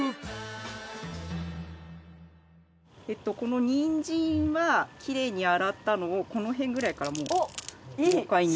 このニンジンはきれいに洗ったのをこの辺くらいから豪快に。